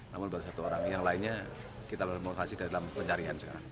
namun ada satu orang yang lainnya kita melakukan dalam pencarian sekarang